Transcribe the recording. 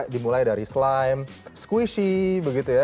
dimulai dari slime squishy begitu ya